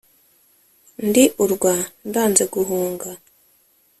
ndi urwa ndanze guhunga